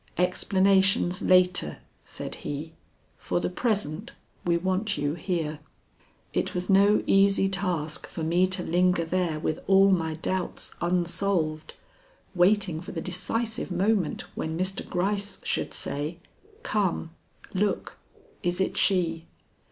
"Explanations later," said he. "For the present we want you here." It was no easy task for me to linger there with all my doubts unsolved, waiting for the decisive moment when Mr. Gryce should say: "Come! Look! Is it she?"